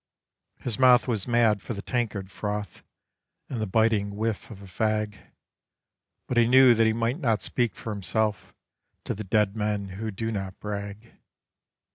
His mouth was mad for the tankard froth and the biting whiff of a fag, But he knew that he might not speak for himself to the dead men who do not brag.